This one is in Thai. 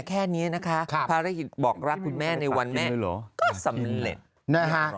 แค่นี้นะคะภารกิจบอกรักคุณแม่ในวันแม่เหรอก็สำเร็จนะฮะ